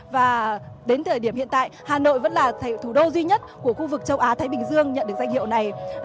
và đến thời điểm hiện tại hà nội vẫn là thủ đô duy nhất của khu vực châu á thái bình dương nhận được danh hiệu này